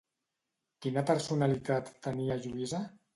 Quina personalitat tenia Lluïsa?